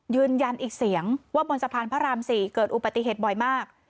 ยืนยันอีกเสียงว่าบนสะพานพระราม๔เกิดอุบัติเหตุบ่อยมาก